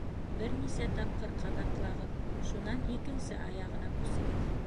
Бер нисә тапҡыр ҡабатлағыҙ, шунан икенсе аяғына күсегеҙ.